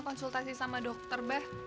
konsultasi sama dokter bang